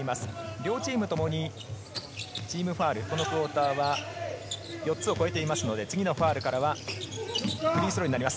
両チームともにチームファウル、このクオーターは４つを超えていますので、次のファウルからはフリースローになります。